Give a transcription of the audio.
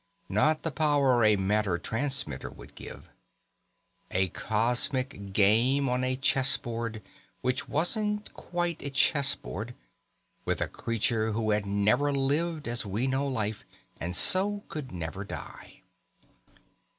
Not the power a matter transmitter would give. A cosmic game on a chess board which wasn't quite a chess board, with a creature who had never lived as we know life and so could never die....